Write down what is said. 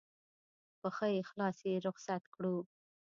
په ښه اخلاص یې رخصت کړو.